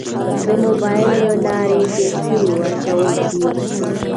د موبایل له لارې پیسې ورکول کیږي.